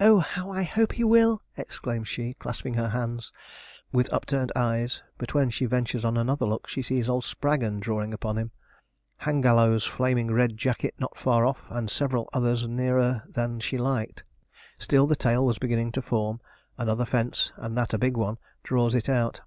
'Oh, how I hope he will!' exclaims she, clasping her hands, with upturned eyes; but when she ventures on another look, she sees old Spraggon drawing upon him, Hangallows's flaming red jacket not far off, and several others nearer than she liked. Still the tail was beginning to form. Another fence, and that a big one, draws it out.